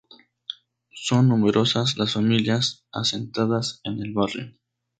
Son numerosas las familias asentadas en el barrio.